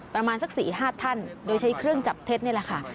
ประมาณสัก๔๕ท่านโดยใช้เครื่องจับเท็จนี่แหละค่ะ